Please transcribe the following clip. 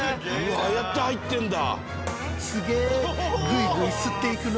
ああやって入ってんだ。